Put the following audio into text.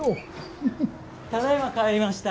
ただいま帰りました。